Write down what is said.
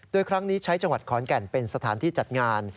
โดยครั้งนี้ใช้จังหวัดขอนแก่นเป็นสถานที่จัดงาน